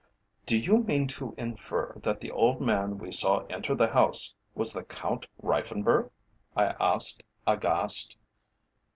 "Do you mean to infer that the old man we saw enter the house was the Count Reiffenburg?" I asked, aghast.